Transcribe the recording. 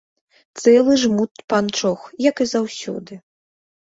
Цэлы жмут панчох, як і заўсёды.